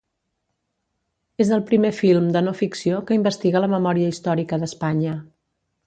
És el primer film de no ficció que investiga la memòria històrica d’Espanya.